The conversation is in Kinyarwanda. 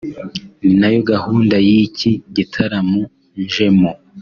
ni nayo gahunda y’iki gitaramo njemo